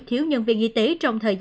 thiếu nhân viên y tế